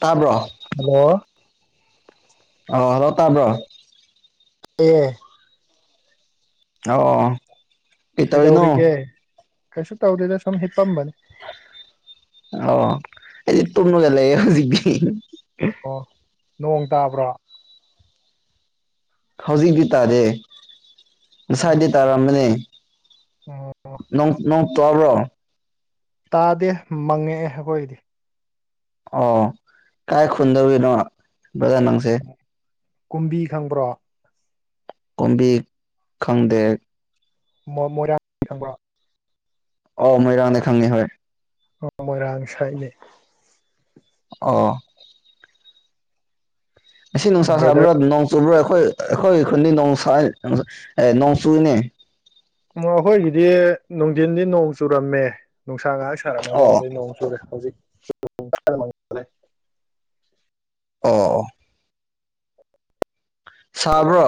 ꯇꯥꯕ꯭ꯔꯣ ꯍꯜꯂꯣ ꯑ ꯍꯜꯂꯣ ꯇꯥꯕ꯭ꯔꯣ ꯑꯦ ꯑꯣ ꯀꯩ ꯇꯧꯔꯤꯅꯣ ꯀꯩꯗꯧꯔꯤꯒꯦ ꯀꯩꯁꯨ ꯇꯧꯗꯦꯗ ꯁꯨꯝ ꯍꯤꯞꯄꯝꯕꯅꯤ ꯑꯣ ꯑꯗꯤ ꯇꯨꯝꯂꯒ ꯂꯩꯌꯦ ꯍꯧꯖꯤꯛꯇꯤ ꯑꯣ ꯅꯣꯡ ꯇꯥꯕ꯭ꯔꯣ ꯍꯧꯖꯤꯛꯇꯤ ꯇꯥꯗꯦ ꯉꯁꯥꯏꯗꯤ ꯇꯥꯔꯝꯕꯅꯦ ꯎꯝ ꯅꯣꯡꯣꯡ ꯇꯥꯕ꯭ꯔꯣ ꯇꯥꯗꯦ ꯃꯪꯉꯛꯑꯦ ꯑꯩꯈꯣꯏꯗꯤ ꯑꯣ ꯀꯥꯏ ꯈꯨꯟꯗꯕꯤꯅꯣ ꯕꯖ ꯅꯪꯁꯦ ꯀꯨꯝꯕꯤ ꯈꯪꯕ꯭ꯔꯣ ꯀꯨꯝꯕꯤ ꯈꯪꯗꯦ ꯃꯔꯥꯡ ꯈꯪ ꯑꯣ ꯃꯣꯏꯔꯥꯡꯗ ꯈꯪꯉ ꯍꯣꯏ ꯃꯣꯏꯔꯥꯡ ꯁꯥꯏꯅꯦ ꯑꯣ ꯑꯁꯤ ꯅꯨꯡꯁꯥ ꯕ꯭ꯔꯗꯔ ꯁꯥꯕ꯭ꯔꯥ ꯅꯣꯡ ꯆꯨꯕ꯭ꯔꯥ ꯑꯩꯈꯣꯏ ꯑꯩꯈꯣꯏ ꯈꯨꯟꯗꯤ ꯅꯣꯡꯁꯥ ꯑꯦ ꯅꯣꯡ ꯆꯨꯅꯦ ꯑꯩꯈꯣꯏꯒꯤꯗꯤ ꯅꯨꯡꯊꯤꯟꯗꯤ ꯅꯣꯡ ꯆꯨꯔꯝꯃꯦ ꯅꯨꯡꯁꯥ ꯉꯥꯏꯍꯥꯛ ꯁꯥꯔꯝꯃꯒ ꯑꯣ ꯑꯗꯨꯗꯩ ꯅꯣꯡ ꯆꯨꯔꯦ ꯍꯧꯖꯤꯛ [inaudible] ꯑꯣ ꯁꯥꯕ꯭ꯔꯣ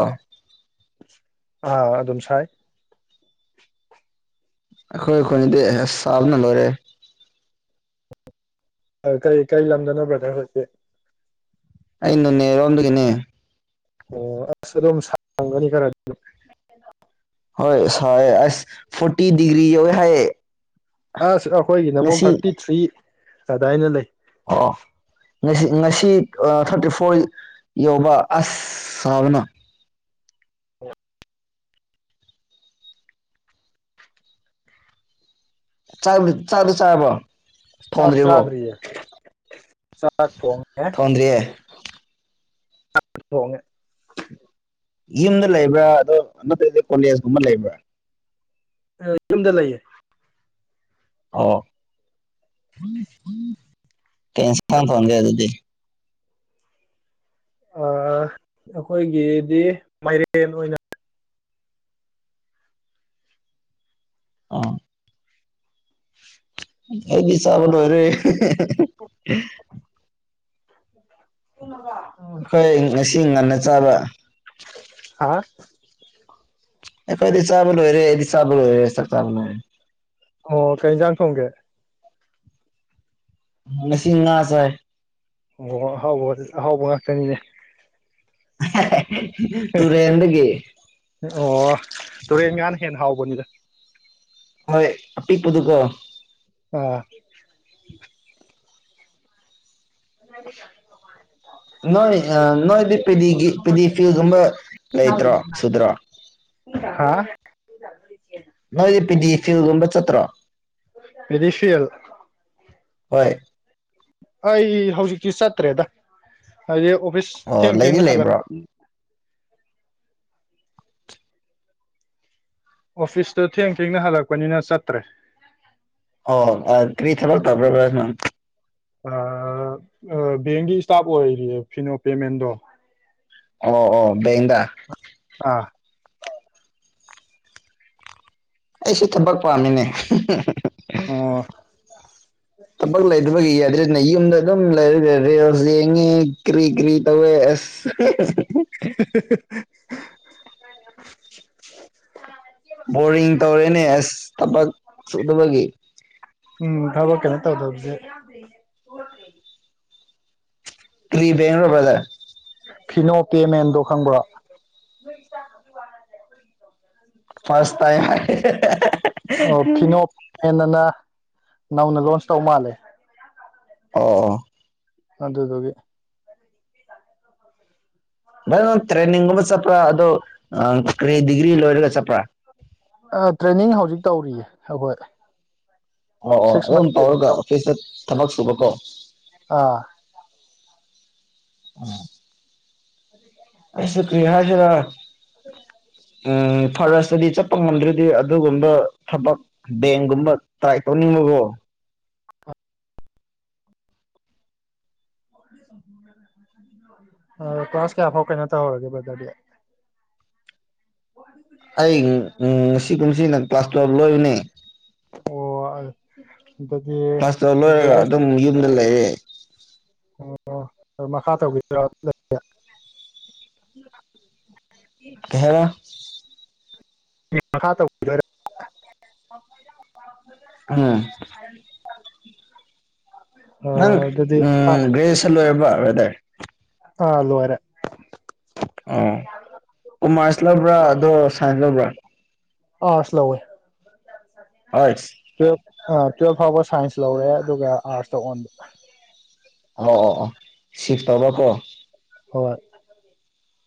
ꯑꯥ ꯑꯗꯨꯝ ꯁꯥꯏ ꯑꯩꯈꯣꯏ ꯑꯩꯈꯣꯏꯅꯤꯗꯤ ꯑꯁ ꯆꯥꯕꯅ ꯂꯣꯏꯔꯦ ꯀꯩ ꯀꯔꯤ ꯂꯝꯗꯅꯣ ꯕ꯭ꯔꯗ ꯍꯧꯖꯤꯛ ꯑꯩꯅꯅꯦꯔꯣꯟꯗꯨꯒꯤꯅꯦ ꯑꯣ ꯑ ꯑꯗꯨꯝ ꯁꯥꯡꯒꯅꯤ ꯀꯔ ꯍꯣꯏ ꯍꯣꯏ ꯑꯁ ꯐꯣꯔꯇꯤ ꯗꯤꯒ꯭ꯔꯤ ꯌꯧꯋꯦ ꯍꯥꯏꯌꯦ ꯑꯁ ꯑꯩꯈꯣꯏꯒꯤꯅ ꯑꯃꯨꯛ ꯉꯁꯤ ꯊꯥꯔꯇꯤ ꯊ꯭ꯔꯤ ꯑꯗꯥꯏꯅ ꯂꯩ ꯑꯣ ꯉꯁꯤ ꯉꯁꯤ ꯊꯥꯔꯇꯤ ꯐꯣꯔ ꯌꯧꯕ ꯑꯁ ꯁꯥꯕꯅ ꯆꯥꯛꯇꯤ ꯆꯥꯛꯇꯤ ꯆꯥꯔꯕꫭ ꯆꯥꯛꯆꯗ‍꯭ꯔꯤꯌꯦ ꯆꯥꯛꯥ ꯊꯣꯟꯗ꯭ꯔꯤꯑꯌꯦ ꯇꯉ [unintelligible] ꯌꯨꯝꯗ ꯂꯩꯕ꯭ꯔꯥ ꯑꯗꯣ ꯅꯠꯇ ꯀꯣꯂꯦꯖꯀꯨꯝꯕ ꯂꯩꯕ꯭ꯔꯥ ꯑ ꯌꯨꯝꯗ ꯂꯩꯌꯦ ꯑꯣ ꯀꯩ ꯏꯟꯁꯥꯡ ꯊꫭꯡꯒ‌ꯦ ꯑꯗꯨꯗꯤ ꯑꯩꯈꯣꯏꯒꯤꯗꯤ ꯃꯥꯏꯔꯦꯟ ꯑꯣꯏꯅ ꯑꯥ ꯑꯩꯗꯤ ꯆꯥꯕ ꯂꫭꯏꯔꯦ ꯇꯨꯝꯃꯕꯥ ꯍꯣꯏ ꯉꯁꯤ ꯉꯟꯅ ꯆꯥꯕ ꯍꯥ ꯑꯩꯈꯣꯏꯗꯤ ꯆꯥꯕ ꯂꯣꯏꯔꯦ ꯑꯩꯗꯤ ꯆꯥꯕ ꯂꫭꯏꯔꯦ ꯆꯥꯛ ꯆꯥꯕ ꯂꯔꯦ ꯑꯣ ꯀꯩ ꯏꯟꯖꯥꯡ ꯊꯣꯡꯒꯦ ꯉꯥꯁꯤ ꯉꯥ ꯆꯥꯏ ꯑꯍꯥꯎꯕ ꯑꯍꯥꯎꯕ ꯉꯥꯛꯇꯅꯤꯅꯦ [unintelligible] ꯇꯨꯔ‌ꯦꯟꯗꯒꯤ ꯑꯣ ꯇꯨꯔꯦꯟ ꯉꯥꯟꯅ ꯍꯦꯟꯅ ꯍꯥꯎꯕꯅꯤꯗ ꯍꯣꯏ ꯑꯄꯤꯛꯄꯗꯨꯀꯣ ꯑꯥ [unintelligible] ꯅꯣꯏ ꯑ ꯅꯣꯏꯗꯤ ꯄꯦꯗꯤ ꯄꯦꯗꯤ ꯐꯤꯒꯨꯝꯕ ꯂꯩꯇ꯭ꯔꯣ ꯁꯨꯗ꯭ꯔꯣ ꯊ [unintelligible] ꯅꫭꯏꯗꯤ ꯄꯤꯗꯤ ꯐꯤꯜꯒꯨꯝꯕ ꯆꯠꯇ꯭ꯔꯣ ꯄꯦꯗꯤꯐꯤꯜ ꯍꯣꯏ ꯑꯩ ꯍꯧꯖꯤꯇꯤ ꯆꯠꯇ꯭ꯔꯦꯗ ꯍꯥꯏꯗꯤ ꯑꫭꯞ ꯍꯨꯁ ꯑꯣ ꯊꯦꯡ ꯂꯩꯗꯤ ꯊꯦꯡꯅ ꯍꯥꯜꯂꯛ ꯂꯩꯕ꯭ꯔꯣ ꯑꯣꯐꯤꯁꯇꯣ ꯊꯦꯡ ꯊꯦꯡꯅ ꯍꯜꯂꯛꯄꯅꯤꯅ ꯆꯠꯇ꯭ꯔꯦ ꯑꯣ ꯑꯥ ꯀꯔꯤ ꯊꯕꯛ ꯇꯧꯕ꯭ꯔꯥ ꯕꯔ ꯅꯪ ꯕꯦꯡꯒꯤ ꯏꯁꯇꯥꯞ ꯑꯣꯏꯔꯤꯌꯦ ꯐꯤꯅꯣ ꯄꯦꯃꯦꯟꯗꯣ ꯑꯣ ꯑꯣ ꯕꯦꯡꯗꯥ ꯑ [unintelligible] ꯑꯩꯁꯨ ꯊꯕꯛ ꯄꯥꯝꯃꯤꯅꯦ ꯑꯣ ꯊꯥꯕꯛ ꯂꯩꯇꯕꯒꯤ ꯌꯦꯗ꯭ꯔꯦꯅ ꯅ ꯌꯨꯝꯗ ꯑꯗꯨꯝ ꯂꯩꯔꯒ ꯔꯦꯜꯁ ꯌꯦꯡꯉꯤ ꯀꯔꯤ ꯀꯔꯤ ꯇꯧꯕꯋꯥꯏ ꯑꯁ [unintelligible] ꯕꯣꯔꯤꯡ ꯇꯧꯔꯦꯅꯦ ꯑꯁ ꯊꯕꯛ ꯁꯨꯗꯕꯒꯤ꯫ ꯎꯝ ꯊꯕꯛ ꯀꯩꯅꫭ ꯇꯧꯗꯕꯁꯦ ꯀꯔꯤꯕꯅꯕꯗ ꯐꯤꯅꯣ ꯀꯦꯃꯦꯟꯗꯣ ꯈꯪꯕ꯭ꯔꯣ ꯐꯁ ꯇꯥꯏꯝ ꯍꯥꯏ ꯅꯎꯅ ꯂꯣꯟꯁ ꯇꯧ ꯃꯥꯂꯦ ꯑꯣ ꯑꯣ ꯑꯗꯨꯗꯨꯒꯤ꯫ ꯐ ꯇ꯭ꯔꯦꯟꯅꯤꯡꯒꯨꯝꯕ ꯆꯠꯄ꯭ꯔꯥ ꯑꯗ ꯀꯔꯤ ꯗꯤꯒ꯭ꯔꯤ ꯂꯣꯏꯔꯒ ꯆꯠꯄ꯭ꯔꯥ ꯑ ꯇ꯭ꯔꯦꯟꯅꯤꯡ ꯍꯧꯖꯤꯛ ꯇꯧꯔꯤꯌꯦ ꯑꯩꯈꯣꯏ ꯑꯣ ꯑꯣ ꯁꯤꯛꯁ ꯃꯟ ꯑꯗꯨꯝ ꯄꯥꯎꯔꯒ ꯑꯣꯐꯤꯁꯇ ꯊꯕꯛ ꯁꯨꯕ ꯀꯣ ꯑꯥ ꯑ ꯑꯩꯁꯨ ꯀ꯭ꯔꯤ ꯍꯥꯏꯗꫭꯏꯔꯥ ꯎꯝ ꯐꯥꯔꯦꯁꯇꯗꯤ ꯆꯠꯄ ꯉꯝꯗ꯭ꯔꯗꯤ ꯑꯗꯨꯒꯨꯝꯕ ꯊꯕꯛ ꯕꯦꯡꯒꯨꯝꯕ ꯇꯥꯏ ꯇꯧꯅꯤꯡꯕꯀꯣ ꯀ꯭ꯂꯥꯁ ꯀꯌꯥ ꯐꯥꯎ ꯀꯩꯅꯣ ꯇꯧꯍꯧꯔꯒꯦ ꯕ꯭ꯔꯗꯔꯗꯤ꯫ ꯑꯩ ꯎꯝ ꯄꯨꯁꯤ ꯅ ꯀ꯭ꯂꯥꯁꯇ ꯂꯣꯏꯅꯦ ꯑꯣ ꯑꯗꯨꯗꯤ ꯀ꯭ꯂꯥꯁꯇ ꯂꯣꯏꯔꯒ ꯑꯗꯨꯝ ꯌꯨꯝꯗ ꯂꯩꯌꯦꯦ [inaudible] ꯑꯣ ꯃꯈꯥ ꯇꯧꯒꯤꯗ꯭ꯔꯥ ꯂꯩ ꯀꯩ ꯍꯥꯏꯕꯥ꯫ ꯃꯈꯥ ꯇꯧꯒꯤꯗꫭꯔꯥ꯫ ꯎꯝ ꯅꯪ ꯑꯥ, ꯑꯗꯨꯗꯤ ꯑꯥ ꯎꯝ ꯒ꯭ꯔꯦꯖꯦꯁꯟ ꯂꫭꯏꯔꯕ ꯕ꯭ꯔꯥꯗꯔ꯫ ꯑꯥ ꯂꫭꯏꯔꯦ꯫ ꯑꯣ ꯎꯃ ꯆꯠꯂꯕ꯭ꯔꯥ ꯑꯗꯣ ꯁꯥꯏꯁꯂꯕ꯭ꯔꯥ ꯑꯥ ꯁꯂꯧꯋꯦ [unintelligible] ꯑ ꯇꯨꯋꯦꯜꯐ ꯐꯥꯎꯕ ꯁꯥꯏꯟꯁ ꯂꯧꯔꯦ ꯑꯗꯨꯒ ꯑꯥꯔꯠꯁꯇ ꯑꯣꯟꯕ꯫ ꯑꯣ ꯑꯣ ꯑꯣ ꯁꯤꯐ ꯇꯧꯕ ꯀꯣ꯫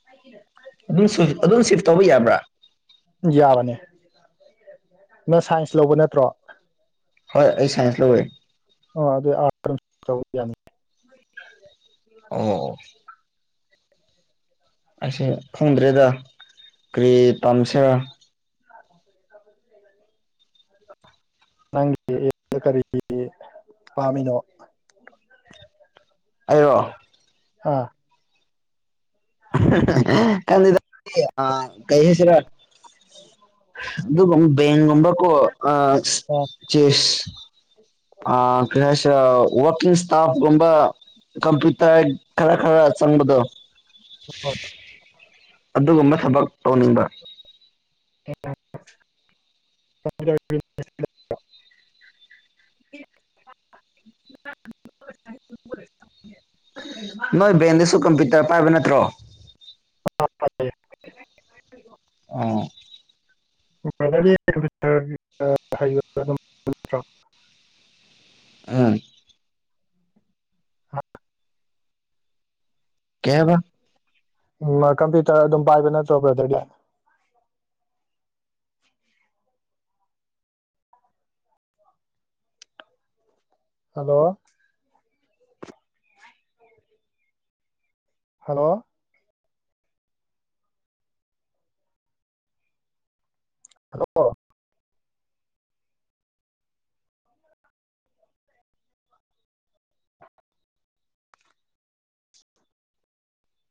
ꯍꫭꯏ꯫ ꯑꯗꯨꯝꯐ ꯑꯗꯨꯝ ꯁꯤꯐ ꯇꯧꯕ ꯌꯥꯕ꯭ꯔꯥ ꯌꯥꯕꯅꯤ ꯅꯪ ꯁꯥꯏꯟꯁ ꯂꯧꯕ ꯅꯠꯇ꯭ꯔꯣ꯫ ꯍꯣꯏ ꯑꯩ ꯁꯥꯏꯟꯁ ꯂꯧꯋꯦ꯫ ꯑ ꯑꯗꯨ ꯆꯅꯤ ꯑꯣ ꯑꯁꯤꯁꯦ ꯈꯪꯗ꯭ꯔꯦꯗ ꯀ꯭ꯔꯤ ꯇꯝꯁꯤ ꯑ ꯂꯩꯕꯅꯤ ꯅꯪ ꯀꯔꯤ ꯄꯥꯃꯤꯅꯣ ꯑꯔꯣ ꯑꯥ ꯀꯗ ꯑ ꯀꯩ ꯍꯥꯏꯁꯤꯔ ꯑꯗꯨ ꯕꯒꯨꯝꯕ ꯀ‌ꯣ ꯑꯥ ꯑꯥ ꯆꯤꯁ ꯑꯥ [unintelligible] ꯋꯥꯔꯀꯤꯡ ꯏꯁꯇꯥꯐꯀꯨꯝꯕ ꯀꯝꯄ꯭ꯌꯨꯇꯔ ꯈꯔ ꯈꯔ ꯆꯪꯕꯗꯣ ꯍꯣꯏ ꯑꯗꯨꯒꯨꯝꯕ ꯊꯕꯛ ꯇꯧꯅꯤꯡꯕ [unintelligible] ꯅꯣꯏ ꯕꯦꯟꯗꯤꯁꯨ ꯀꯝꯄꯤ ꯄꯥꯏꯕ ꯅꯠꯇ꯭ꯔꯣ ꯑ ꯐ ꯑꯣ [unintelligible] ꯑꯥ ꯀꯦꯕ ꯎ ꯀꯝꯄ꯭ꯌꯨꯇꯔ ꯑꯗꯨꯝ ꯄꯥꯏꯕ ꯅꯠꯇ꯭ꯔꯕ꯭ꯔꯥꯗꯗꯤ ꯍꯜꯂꯣ ꯍꯜꯂꯣ ꯍꯜꯂꯣ